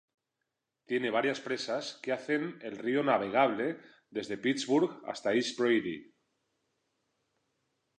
Tiene varias presas que hacen el río navegable desde Pittsburgh hasta East Brady.